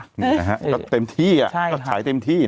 ก็เต็มที่อะก็ขายเต็มที่